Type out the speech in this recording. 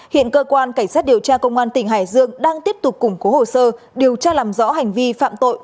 hiện cơ quan cảnh sát điều tra công an tỉnh hải dương đang tiếp tục củng cố hồ sơ điều tra làm rõ hành vi phạm tội